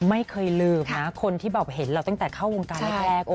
ไม่เคยลืมนะคนที่เห็นเราตั้งแต่เข้าวงการแรก